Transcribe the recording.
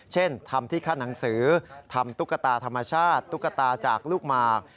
เช่นทำที่ขั้นหนังสือทำตุ๊กตาธรรมชาติตุ๊กตาจากลูกหมาก